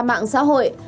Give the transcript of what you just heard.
mạng xã hội